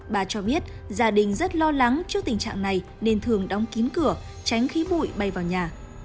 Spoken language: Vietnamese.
bà cho biết gia đình rất lo lắng trước tình trạng này nên thường đóng kín cửa tránh khí bụi bay vào nhà